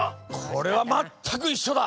これはまったくいっしょだ。